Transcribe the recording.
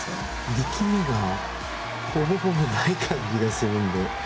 力みがほぼほぼない感じがするので。